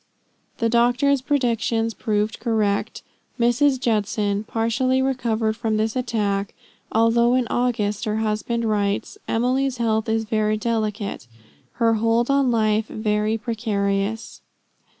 The doctor's predictions proved correct; Mrs. Judson partially recovered from this attack, although in August her husband writes: "Emily's health is very delicate her hold on life very precarious."